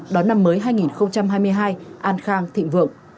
đón năm mới hai nghìn hai mươi hai an khang thịnh vượng